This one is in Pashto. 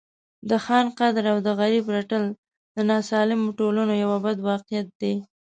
د خان قدر او د غریب رټل د ناسالمو ټولنو یو بد واقعیت دی.